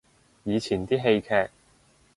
以前啲戲劇